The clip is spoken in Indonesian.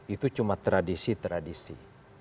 itu cuma tradisi tradisi